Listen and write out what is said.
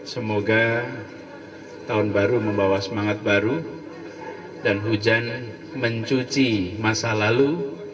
semoga tahun baru membawa semangat baru dan hujan mencuci masa lalu